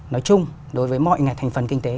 nói chung đối với mọi ngày thành phần kinh tế